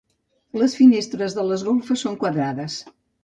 Les finestres de les golfes són quadrades.